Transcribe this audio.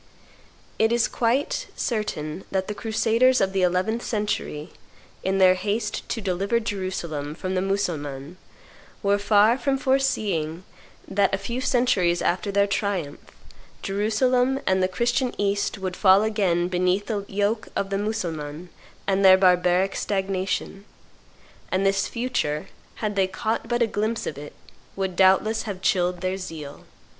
It is quite certain that the crusaders of the eleventh century, in their haste to deliver Jerusalem from the Mussulmans, were far from foreseeing that, a few centuries after their triumph, Jerusalem and the Christian East would fall again beneath the yoke of the Mussulmans and their barbaric stagnation; and this future, had they caught but a glimpse of it, would doubtless have chilled their zeal.